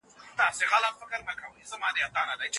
که تخته وي نو لیک نه پټیږي.